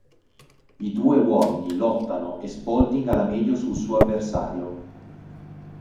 I due uomini lottano e Spaulding ha la meglio sul suo avversario.